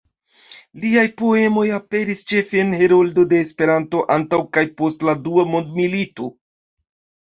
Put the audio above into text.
Liaj poemoj aperis ĉefe en Heroldo de Esperanto antaŭ kaj post la Dua Mondmilito.